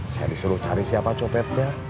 saya disuruh cari siapa copetnya